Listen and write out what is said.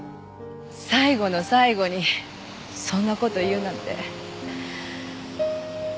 最期の最期にそんな事言うなんて。